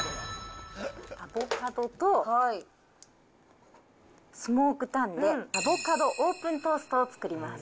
アボカドとスモークタンで、アボカドオープントーストを作ります。